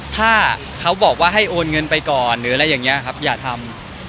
ถ้าเขาบอกว่าให้โอนเงินไปก่อนหรืออะไรอย่างนี้ครับอย่าทำ